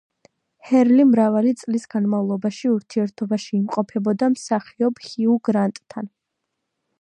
ჰერლი მრავალი წლის განმავლობაში ურთიერთობაში იმყოფებოდა მსახიობ ჰიუ გრანტთან.